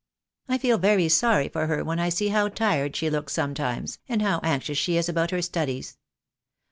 I feel very sorry for her when I see how tired she looks sometimes, and how anxious she is about her studies.